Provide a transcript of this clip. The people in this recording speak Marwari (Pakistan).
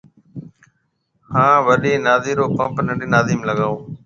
هان وڏِي نادِي رو پمپ ننڊِي نادِي ۾ لگائو